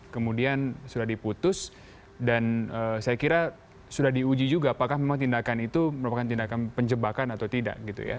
kemudian sudah diputus dan saya kira sudah diuji juga apakah memang tindakan itu merupakan tindakan penjebakan atau tidak gitu ya